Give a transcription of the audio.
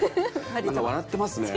笑ってますね。